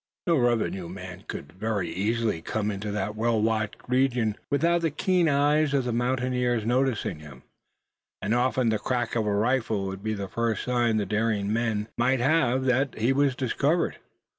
No revenue men could very easily come into that well watched region without the keen eyes of a mountaineer noticing him. And often the crack of a rifle would be the first sign the daring man might have that he was discovered.